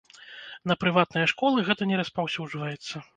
На прыватныя школы гэта не распаўсюджваецца.